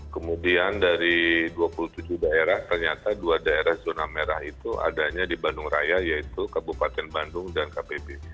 kemudian dari dua puluh tujuh daerah ternyata dua daerah zona merah itu adanya di bandung raya yaitu kabupaten bandung dan kpb